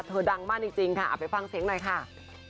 ดังมากจริงค่ะเอาไปฟังเสียงหน่อยค่ะ